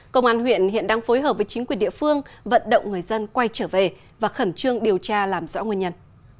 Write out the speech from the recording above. công an huyện hiện đang phối hợp với chính quyền địa phương vận động người dân quay trở về và khẩn trương điều tra làm rõ nguyên nhân